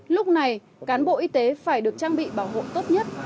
lúc này cán bộ y tế phải được trang bị bảo hộ tốt nhất